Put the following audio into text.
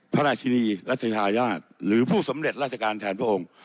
พระราชินีรัชธาญาติหรือผู้สำเร็จราชการแทนพระองค์